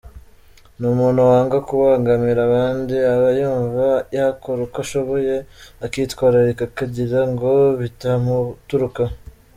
Ni umuntu wanga kubangamira abandi aba yumva yakora uko ashoboye akitwararika kugira ngo bitamuturukaho.